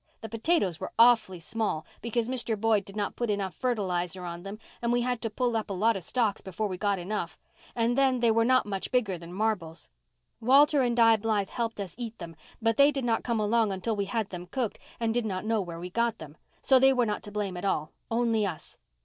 The potatoes were awful small, because Mr. Boyd did not put enough fertilizer on them and we had to pull up a lot of stalks before we got enough, and then they were not much bigger than marbles. Walter and Di Blythe helped us eat them, but they did not come along until we had them cooked and did not know where we got them, so they were not to blame at all, only us.